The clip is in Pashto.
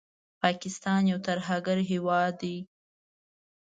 پاکستان یو ترهګر هېواد دی